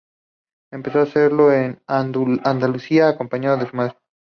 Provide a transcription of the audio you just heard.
Empezó a hacerlo en Andalucía acompañada de su madre.